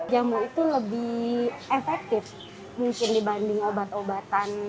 jamu itu lebih efektif mungkin dibanding obat obatan